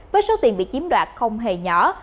với số tiền bị chiếm đoạt không hề nhỏ